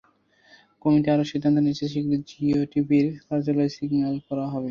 Committee আরও সিদ্ধান্ত নিয়েছে শিগগির জিও টিভির কার্যালয় সিলগালা করা হবে।